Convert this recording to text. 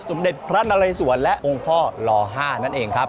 สมเด็จพระนรัยสวรรค์และองค์พ่อลอห้านั่นเองครับ